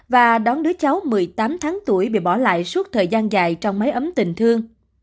và đón đứa cháu một mươi tám tháng tuổi bị bỏ lại suốt thời gian dài trong máy ấm tình thương